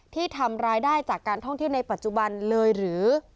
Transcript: ที่ทำรายได้จากการท่องเที่ยวในปัจจุบันเลยหรือ